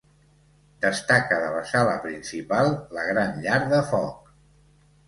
Destaca de la sala principal, la gran llar de foc.